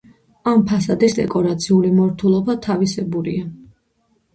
ამ ფასადის დეკორაციული მორთულობა თავისებურია.